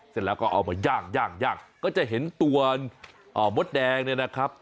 เสร็จแล้วก็เอามาย่างย่างย่างก็จะเห็นตัวมดแดงเนี่ยนะครับ